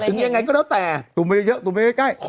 ตรวจนี้ยังไงก็แล้วแต่